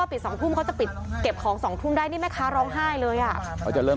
แทนที่จะล็อกตั้งแต่ตอนสงการไม่ให้เขากลับบ้านไปอืมตอนนี้มาแก้ปัญหาอะไร